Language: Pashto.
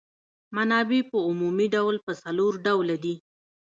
منابع په عمومي ډول په څلور ډوله دي.